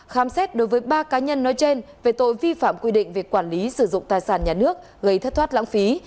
khám xét đối với ba cá nhân nói trên về tội vi phạm quy định về quản lý sử dụng tài sản nhà nước gây thất thoát lãng phí